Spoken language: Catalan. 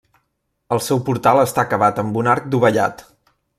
El seu portal està acabat amb un arc dovellat.